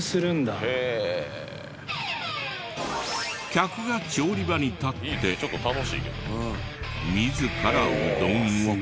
客が調理場に立って自らうどんを。